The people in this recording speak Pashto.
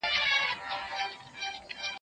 هغه څوک چي ځواب ليکي تمرين کوي؟!